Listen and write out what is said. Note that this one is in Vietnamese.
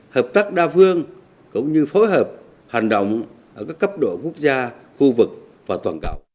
hợp tác đa phương cũng như phối hợp hành động ở các cấp độ quốc gia khu vực và toàn cầu